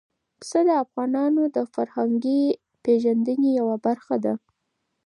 پسه د افغانانو د فرهنګي پیژندنې یوه برخه ده.